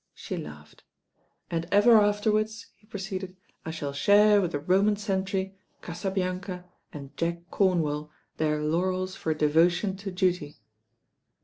She laughed. "And ever afterwards," he proceeded, "I shall share with the Roman sentry, Casablanca and Jack Comwell their laurels for devotion to duty."